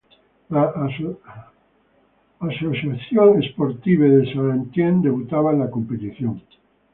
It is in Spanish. El Association Sportive de Saint-Étienne debutaba en la competición.